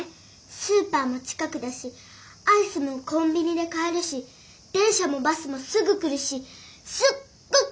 スーパーも近くだしアイスもコンビニで買えるし電車もバスもすぐ来るしすっごくべんりなんだよ。